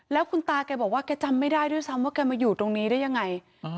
แล้วคุณตาแกบอกว่าแกจำไม่ได้ด้วยซ้ำว่าแกมาอยู่ตรงนี้ได้ยังไง